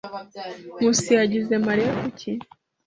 Nkusi yagize Mariya kuki.